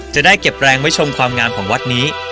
จะได้เก็บแรงไว้ชมความงามของวัดนี้